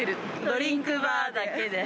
ドリンクバーだけで。